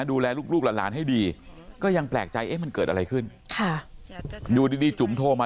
ดูแลลูกหลานให้ดีก็ยังแปลกใจเอ๊ะมันเกิดอะไรขึ้นค่ะอยู่ดีจุ๋มโทรมา